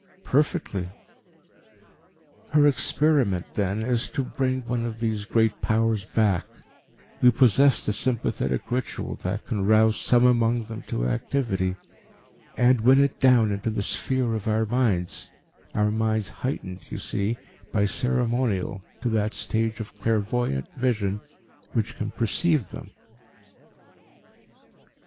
"Perfectly." "Her experiment, then, is to bring one of these great Powers back we possess the sympathetic ritual that can rouse some among them to activity and win it down into the sphere of our minds, our minds heightened, you see, by ceremonial to that stage of clairvoyant vision which can perceive them."